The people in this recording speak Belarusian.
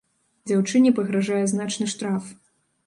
Дзяўчыне пагражае значны штраф.